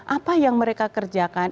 apa yang mereka kerjakan